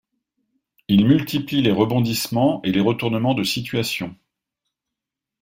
Il multiplie les rebondissements et les retournements de situation.